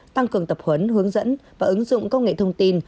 tăng cường tập huấn hướng dẫn và ứng dụng công nghệ thông tin